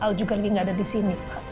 al juga lagi gak ada disini